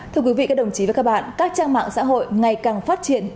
thưa quý vị các đồng chí và các bạn các trang mạng xã hội ngày càng phát triển